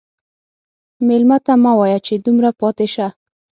مېلمه ته مه وایه چې دومره پاتې شه.